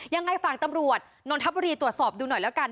ยังไงฝากตำรวจนนทบุรีตรวจสอบดูหน่อยแล้วกัน